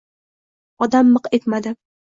Odam miq etmadi.